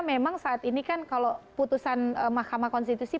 memang saat ini kan kalau putusan mahkamah konstitusi